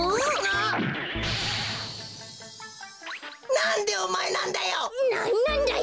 なんでおまえなんだよ！